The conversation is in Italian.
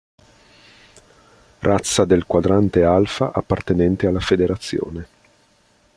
Razza del Quadrante Alfa appartenente alla Federazione.